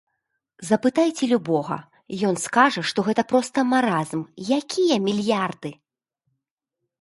Запытайце любога, ён скажа, што гэта проста маразм, якія мільярды?